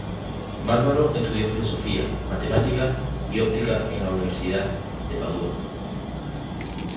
Barbaro estudió filosofía, matemáticas y óptica en la Universidad de Padua.